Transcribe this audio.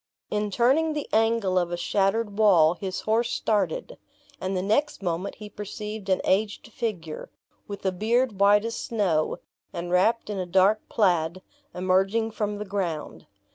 In turning the angle of a shattered wall, his horse started; and the next moment he perceived an aged figure, with a beard white as snow, and wrapped in a dark plaid, emerging from the ground.